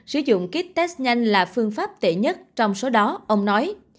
sử dụng kit test nhanh là phương pháp tệ nhất trong số đó ông nói